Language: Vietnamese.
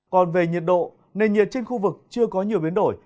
còn về nhiệt độ nền nhiệt trên khu vực chưa có nhiều biến đổi